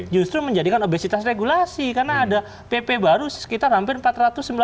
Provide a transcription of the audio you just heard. justru menjadikan obesitas regulasi karena ada pp baru sekitar hampir empat ratus sembilan puluh